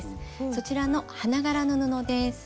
そちらの花柄の布です。